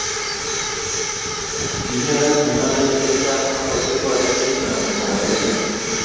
kinyeraka mung'arenik che chang' akutur koriik che chang' kobai gei